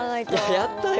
やったよ！